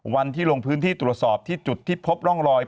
วันที่ลงพื้นที่ตรวจสอบที่จุดที่พบร่องรอย